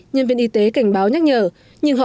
nhân viên y tế cảnh báo nhắc nhở nhưng họ